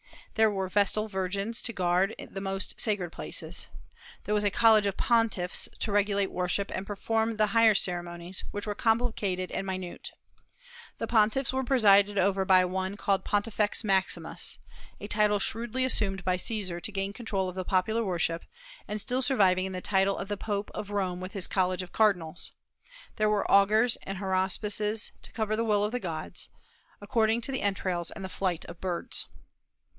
There were Vestal virgins to guard the most sacred places. There was a college of pontiffs to regulate worship and perform the higher ceremonies, which were complicated and minute. The pontiffs were presided over by one called Pontifex Maximus, a title shrewdly assumed by Caesar to gain control of the popular worship, and still surviving in the title of the Pope of Rome with his college of cardinals. There were augurs and haruspices to discover the will of the gods, according to entrails and the flight of birds.